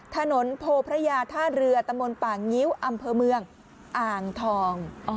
ถนนโพพระยาท่าเรือตำบลป่างิ้วอำเภอเมืองอ่างทอง